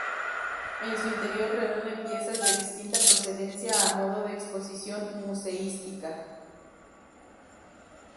En su interior reúne piezas de distinta procedencia, a modo de exposición museística.